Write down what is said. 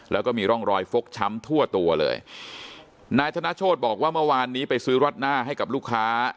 แล้วก็มีร่องรอยฟกช้ำทั่วตัวเลยนายธนโชธบอกว่าเมื่อวานนี้ไปซื้อรัดหน้าให้กับลูกค้า